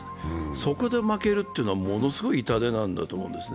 そこで負けるというのはものすごい痛手なんだと思うんですね。